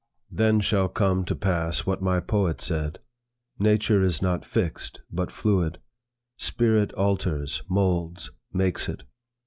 Then shall come to pass what my poet said; 'Nature is not fixed but fluid. Spirit alters, moulds, makes it.